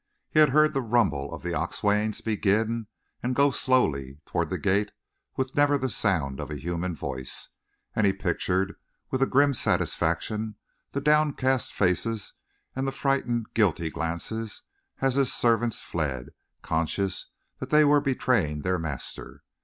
He had heard the rumble of the oxwains begin and go slowly toward the gate with never the sound of a human voice, and he pictured, with a grim satisfaction, the downcast faces and the frightened, guilty glances, as his servants fled, conscious that they were betraying their master.